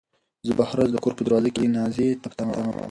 زه به هره ورځ د کور په دروازه کې نازيې ته په تمه وم.